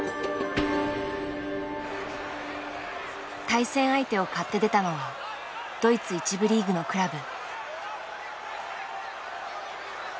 対戦相手を買って出たのはドイツ１部リーグのクラブ。